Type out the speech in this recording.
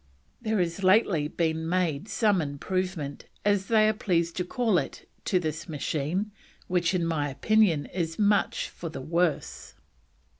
"There has lately been made some IMPROVEMENT, as they are pleased to call it, to this machine, which in my opinion is much for the worse."